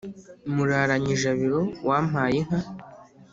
muraranye ijabiro, wampaye inka